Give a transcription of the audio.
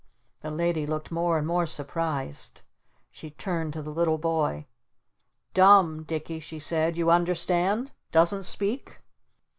The Lady looked more and more surprised. She turned to the little boy. "'Dumb,' Dicky," she said. "You understand? Doesn't speak?"